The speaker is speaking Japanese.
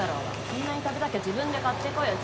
そんなに食べたきゃ自分で買ってこいよ。